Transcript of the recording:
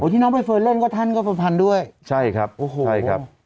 ที่น้องไปเฟิร์นเล่นก็ท่านก็ประพันธ์ด้วยใช่ครับ